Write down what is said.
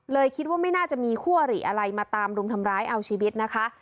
คิดว่าไม่น่าจะมีคู่อริอะไรมาตามรุมทำร้ายเอาชีวิตนะคะ